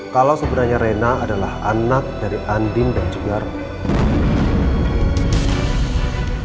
kalau sebenarnya rena adalah anak dari andin dan juga